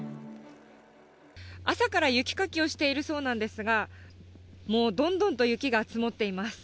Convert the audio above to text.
朝から雪かきをしているそうなんですが、もうどんどんと雪が積もっています。